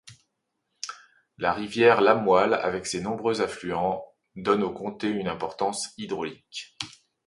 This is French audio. La rivière Lamoille avec ses nombreux affluents, donne au comté une importance hydraulique.